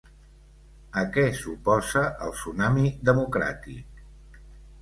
A què s'oposa el Tsunami Democràtic?